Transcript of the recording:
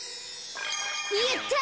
やった！